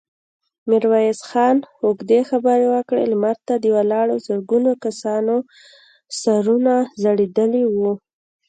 ميرويس خان اوږدې خبرې وکړې، لمر ته د ولاړو زرګونو کسانو سرونه ځړېدلي وو.